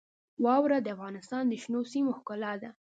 واوره د افغانستان د شنو سیمو ښکلا ده.